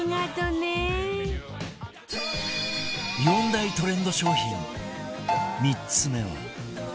４大トレンド商品３つ目は